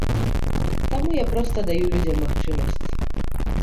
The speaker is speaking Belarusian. Таму я проста даю людзям магчымасць.